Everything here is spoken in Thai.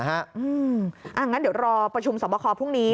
อย่างนั้นเดี๋ยวรอประชุมสอบคอพรุ่งนี้